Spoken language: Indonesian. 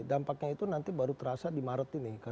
dampaknya itu nanti baru terasa di maret ini